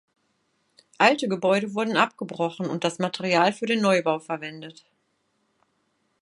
Alte Gebäude wurden abgebrochen und das Material für den Neubau verwendet.